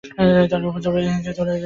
তারা উপর্যুপরি তীর ছুড়ে তাদের গতিরোধ করে।